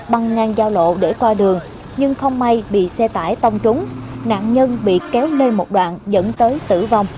băng ngang giao lộ để qua đường nhưng không may bị xe tải tông trúng nạn nhân bị kéo lê một đoạn dẫn tới tử vong